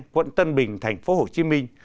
quận tân bình thành phố hồ chí minh